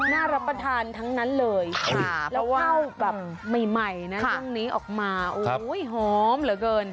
รับประทานทั้งนั้นเลยแล้วเข้าแบบใหม่นะช่วงนี้ออกมาโอ้โหหอมเหลือเกิน